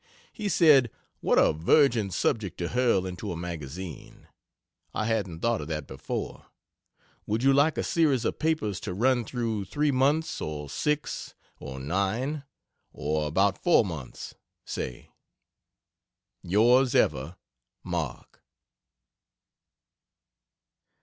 He said "What a virgin subject to hurl into a magazine!" I hadn't thought of that before. Would you like a series of papers to run through 3 months or 6 or 9? or about 4 months, say? Yrs ever, MARK.